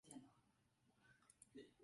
然后用滤波来平滑最终结果。